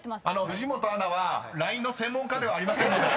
［藤本アナはＬＩＮＥの専門家ではありませんので］